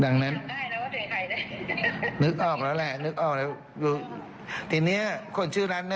ดังนั้นนึกออกแล้วแหละนึกออกแล้วทีเนี้ยคนชื่อนั้นน่ะ